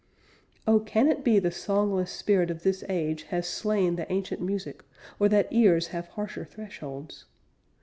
Oh! Can it be the songless spirit of this age Has slain the ancient music, or that ears Have harsher thresholds?